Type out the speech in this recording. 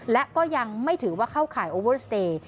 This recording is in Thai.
และก็ยังไม่ถือว่าเข้าข่ายโอเวอร์สเตย์